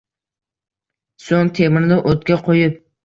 So’ng temirni o’tga qo’yib